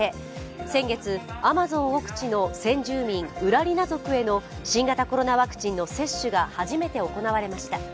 先月、アマゾン奥地の先住民ウラリナ族への新型コロナワクチンの接種が初めて行われました。